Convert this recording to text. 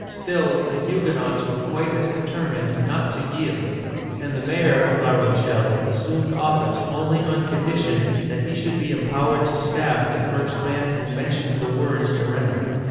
Still, the Huguenots were quite as determined not to yield, and the mayor of La Rochelle assumed office only on condition that he should be empow ered to stab the first man who mentioned the word sur render!